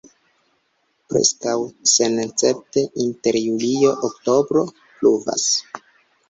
Preskaŭ senescepte inter julio-oktobro pluvas.